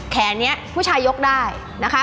แขนนี้ผู้ชายยกได้นะคะ